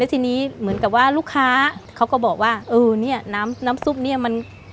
ทีนี้เหมือนกับว่าลูกค้าเขาก็บอกว่าเออเนี่ยน้ำน้ำซุปเนี่ยมัน